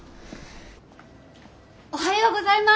おはようございます！